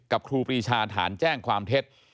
ครูปรีชาฐานแจ้งความเท็จ